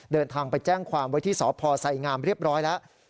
เดินทางไปแจ้งความไว้ที่สพไสงามเรียบร้อยแล้ว